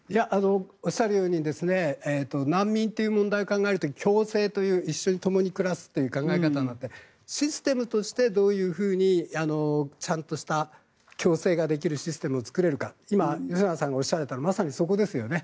おっしゃるように難民という問題を考える時に共生という一緒にともに暮らすという考え方があってシステムとしてどういうふうにちゃんとした共生ができるシステムを作れるか今、吉永さんがおっしゃられたまさにそこですよね。